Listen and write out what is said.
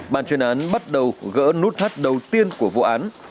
bàn chuyên án bắt đầu gỡ nút thắt đầu tiên của vụ án